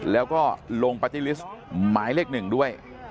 แล้วก็ลงปาร์ตี้ลิสต์หมายเลข๑ด้วย